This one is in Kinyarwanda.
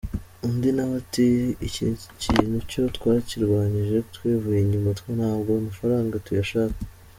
Undi nawe ati :”Iki kintu cyo twakirwanyije twivuye inyuma ntabwo amafaranga tuyashaka.